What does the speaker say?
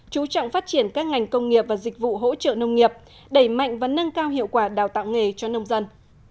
chú trọng phát triển các ngành công nghiệp và dịch vụ hỗ trợ nông nghiệp đẩy mạnh và nâng cao hiệu quả đào tạo nghề cho nông dân